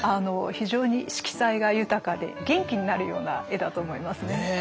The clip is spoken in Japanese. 非常に色彩が豊かで元気になるような絵だと思いますね。